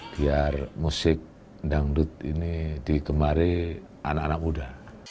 biar musik dangdut ini digemari anak anak muda